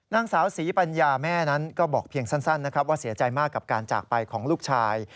นางสาวศรีปัญญาแม่นั้นก็บอกเพียงสั้นนะครับว่าเสียใจมากกับการจากไปของลูกชาย